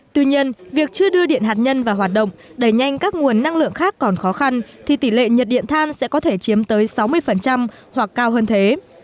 tuy nhiên việc chưa đưa điện hạt nhân vào hoạt động đẩy nhanh các nguồn năng lượng khác còn khó khăn thì tỷ lệ nhiệt điện than sẽ có thể chiếm tới sáu mươi hoặc cao hơn thế